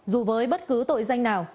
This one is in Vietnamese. dù với bất cứ tội danh nào